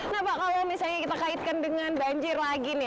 nah pak kalau misalnya kita kaitkan dengan banjir lagi nih